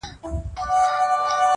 كه به زما په دعا كيږي,